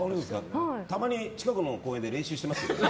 たまに近くの公園で練習してますよ。